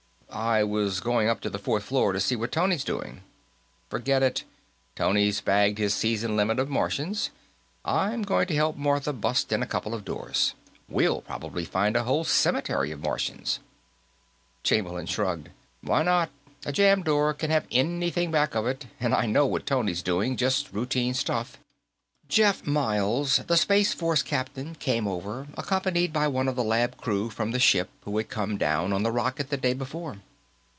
"I was going up to the fourth floor, to see what Tony's doing." "Forget it. Tony's bagged his season limit of Martians. I'm going to help Martha bust in a couple of doors; we'll probably find a whole cemetery full of Martians." Chamberlain shrugged. "Why not. A jammed door can have anything back of it, and I know what Tony's doing just routine stuff." Jeff Miles, the Space Force captain, came over, accompanied by one of the lab crew from the ship who had come down on the rocket the day before.